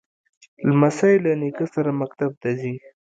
لمسی له نیکه سره مکتب ته ځي.